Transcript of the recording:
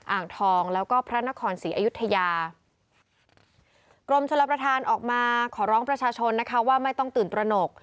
อ่างทองแล้วก็พระนครศรีอยุธยากรมชลประธานออกมาขอร้องประชาชนนะคะว่าไม่ต้องตื่นตระหนก